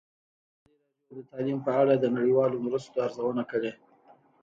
ازادي راډیو د تعلیم په اړه د نړیوالو مرستو ارزونه کړې.